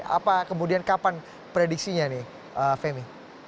apa kemudian kapan prediksinya nih femi